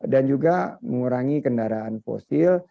dan juga mengurangi kendaraan fosil